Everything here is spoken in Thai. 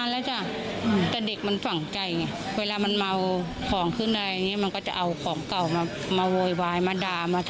แล้วมันสั่งใจเวลามันเมาของขึ้นในนี้มันก็จะเอาของเก่ามามาโวยวายมาดามาทอ